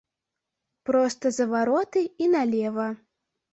Проста за вароты і налева.